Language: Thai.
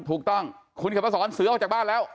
ถูกต้องคุณเขียนมาสอนเสือออกจากบ้านแล้ว